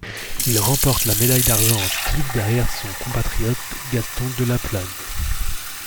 Il y remporte la médaille d'argent en skiff derrière son compatriote Gaston Delaplane.